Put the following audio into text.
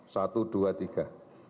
satu dua tiga